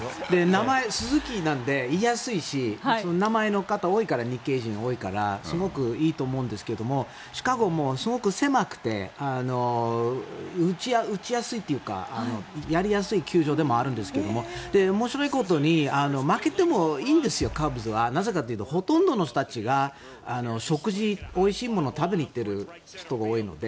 名前、鈴木なので言いやすいし名前の方が多いから日系人が多いからすごくいいと思うんですけどシカゴもすごく狭くて打ちやすいというかやりやすい球場でもあるんですけれども面白いことに負けてもいいんですよ、カブスはなぜかというとほとんどの人たちが食事、おいしいものを食べに行っている人が多いので。